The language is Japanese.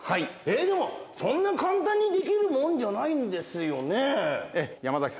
えっでもそんな簡単にできるもんじゃないんですよね？